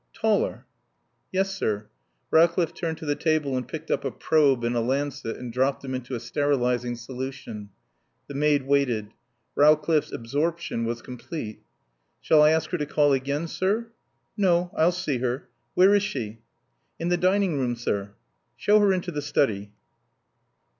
"Taller?" "Yes, sir." Rowcliffe turned to the table and picked up a probe and a lancet and dropped them into a sterilising solution. The maid waited. Rowcliffe's absorption was complete. "Shall I ask her to call again, sir?" "No. I'll see her. Where is she?" "In the dining room, sir." "Show her into the study."